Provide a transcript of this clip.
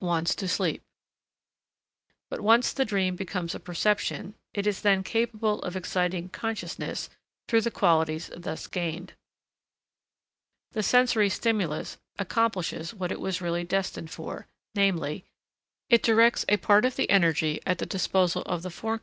wants to sleep. But once the dream becomes a perception, it is then capable of exciting consciousness through the qualities thus gained. The sensory stimulus accomplishes what it was really destined for, namely, it directs a part of the energy at the disposal of the Forec.